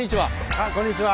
あっこんにちは。